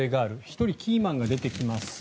１人キーマンが出てきます。